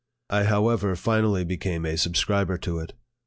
I, how ever, finally became a subscriber to it.